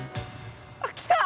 あっ来た！